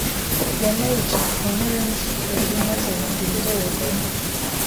Rwema yicaye ku ntebe yumushoferi maze ahindura indorerwamo.